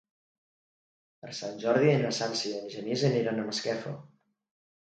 Per Sant Jordi na Sança i en Genís aniran a Masquefa.